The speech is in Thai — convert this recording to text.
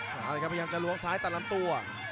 ต่างทีครับพยายามจะลวงซ้ายตลำตัว